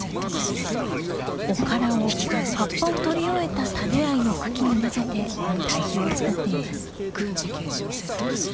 おからを葉っぱをとり終えたタデアイの茎にまぜて堆肥を作っています。